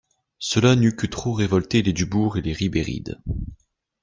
Cela n'eût que trop révolté les Dubourg et les Ribéride.